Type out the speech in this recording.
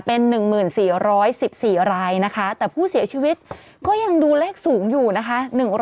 เพิ่มขึ้นมาเป็น๑๔๑๑๔รายนะคะแต่ผู้เสียชีวิตก็ยังดูแรกสูงอยู่นะคะ